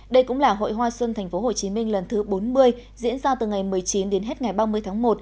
đây cũng là hội hoa xuân tp hcm lần thứ bốn mươi diễn ra từ ngày một mươi chín đến hết ngày ba mươi tháng một